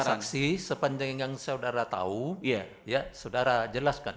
saksi sepanjang yang saudara tahu saudara jelaskan